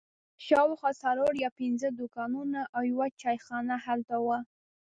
شاوخوا څلور یا پنځه دوکانونه او یوه چای خانه هلته وه.